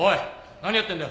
何やってんだよ？